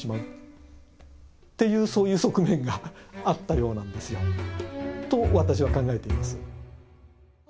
そういう側面があったようなんですよと、私は考えています。